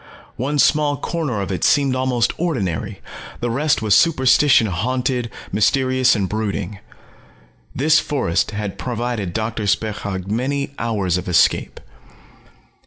One small corner of it seemed almost ordinary, the rest was superstition haunted, mysterious and brooding. This forest had provided Doctor Spechaug many hours of escape.